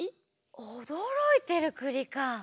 おどろいてるくりか。